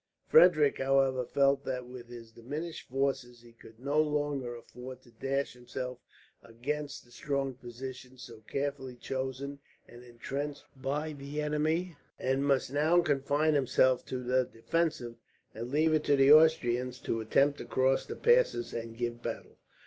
Frederick, however, felt that with his diminished forces he could no longer afford to dash himself against the strong positions so carefully chosen and intrenched by the enemy; and must now confine himself to the defensive, and leave it to the Austrians to attempt to cross the passes and give battle.